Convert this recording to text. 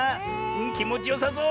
きもちよさそう！